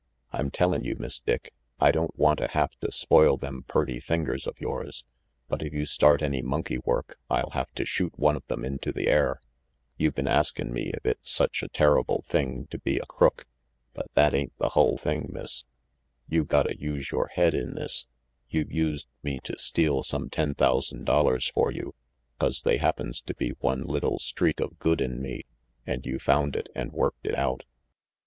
I'm tellin' you, Miss Dick, I don't wanta hafta spoil them purty fingers of yours, but if you start any monkey work I'll have to shoot one of them into the air. You been askin' me if it's such a terrible thing to be a crook, but that ain't the hull thing, Miss. You gotta use yore head in this. You used me to steal some ten thousand dollars for you, 'cause they happens to be one little streak of good in me and you found it and worked it out.